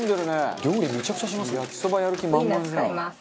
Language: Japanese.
「料理めちゃくちゃしますね」